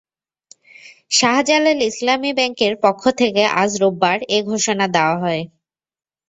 শাহজালাল ইসলামী ব্যাংকের পক্ষ থেকে আজ রোববার এ ঘোষণা দেওয়া হয়।